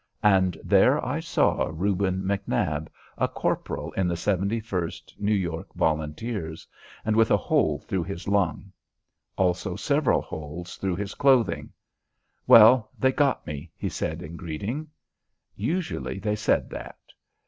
And there I saw Reuben McNab, a corporal in the 71st New York Volunteers, and with a hole through his lung. Also, several holes through his clothing. "Well, they got me," he said in greeting. Usually they said that.